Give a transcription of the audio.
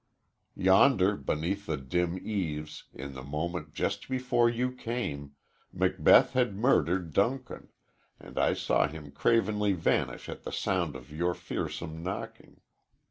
Yonder, beneath the dim eaves, in the moment just before you came, Macbeth had murdered Duncan, and I saw him cravenly vanish at the sound of your fearsome knocking.